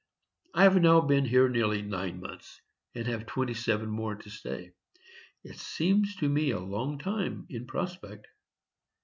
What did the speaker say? I have now been here nearly nine months, and have twenty seven more to stay. It seems to me a long time in prospect.